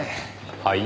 はい？